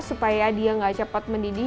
supaya dia nggak cepat mendidih